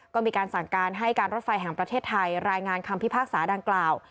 ก็มีการสั่งการให้การรถไฟแห่งประเทศไทยรายงานคำพิพากษาดังกล่าว